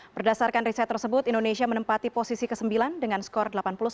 berdasarkan riset tersebut indonesia menempati posisi ke sembilan dengan skor delapan puluh sembilan